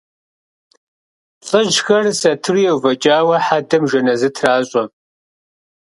Лӏыжьхэр сатыру еувэкӏауэ хьэдэм жэназы тращӏэ.